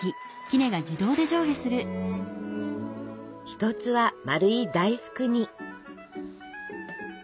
一つは丸い大福に。